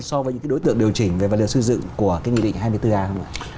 so với những đối tượng điều chỉnh về vật liệu xây dựng của nghị định hai mươi bốn a không ạ